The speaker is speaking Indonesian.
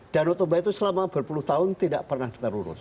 narotoba itu selama berpuluh tahun tidak pernah diterurus